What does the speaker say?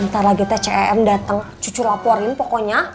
ntar lagi tcm dateng cucu laporin pokoknya